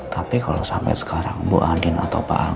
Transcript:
tapi kalau sampai sekarang bu anin atau pak alan